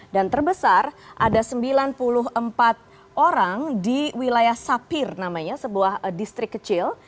dan terbesar ada sembilan puluh empat orang di wilayah sapir namanya sebuah distrik kecil